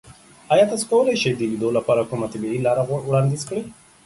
ایا تاسو کولی شئ د لیدو لپاره کومې طبیعي لارې وړاندیز کړئ؟